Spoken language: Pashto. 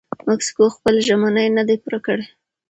مکسیکو خپلې ژمنې نه دي پوره کړي.